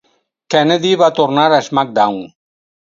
Kennedy va tornar a SmackDown!